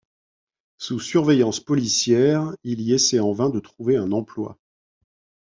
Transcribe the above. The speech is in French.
Sous surveillance policière, il y essaie en vain de trouver un emploi.